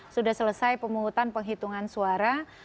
sudah selesai pemungutan penghitungan suara